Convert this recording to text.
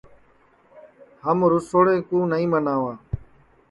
ہم رُسوڑے کُو نائی مناواں